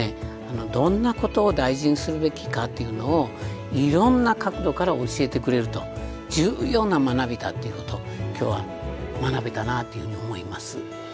どんなことを大事にするべきかっていうのをいろんな角度から教えてくれると重要な学びだっていうこと今日は学べたなというふうに思います。